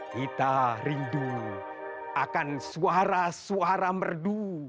kita rindu akan suara suara merdu